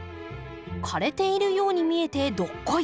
枯れているように見えてどっこい